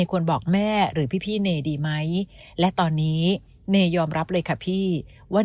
ควรบอกแม่หรือพี่เนดีไหมและตอนนี้เนยยอมรับเลยค่ะพี่ว่า